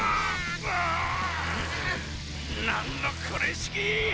なんのこれしき！